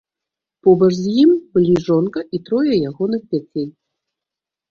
Побач з ім былі жонка і трое ягоных дзяцей.